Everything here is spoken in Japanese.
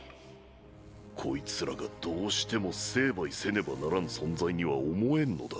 こいつらがどうしても成敗せねばならん存在には思えんのだ。